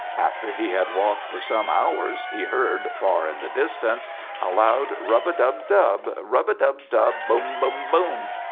After he had walked for some hours, he heard, far in the distance, a loud rub a dub dub, rub a dub dub, boom, boom, boom.